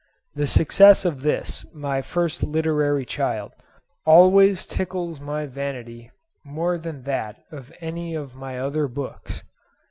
The success of this, my first literary child, always tickles my vanity more than that of any of my other books.